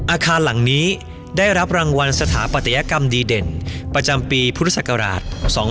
อาคารหลังนี้ได้รับรางวัลสถาปัตยกรรมดีเด่นประจำปีพุทธศักราช๒๕๖